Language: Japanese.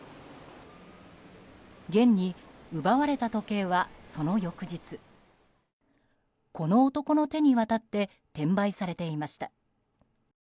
現に奪われた時計は、その翌日この男の手に渡って転売されていました。